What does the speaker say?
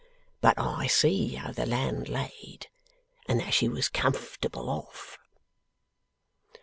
But I see how the land laid, and that she was comfortable off.